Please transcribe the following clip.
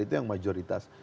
itu yang majoritas